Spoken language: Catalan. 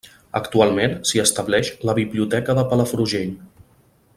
Actualment s'hi estableix la Biblioteca de Palafrugell.